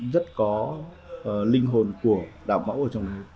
rất có linh hồn của đạo mẫu ở trong đấy